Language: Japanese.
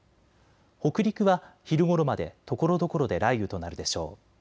北陸は昼ごろまでところどころで雷雨となるでしょう。